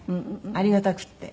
ありがたくて。